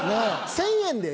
１、０００円で！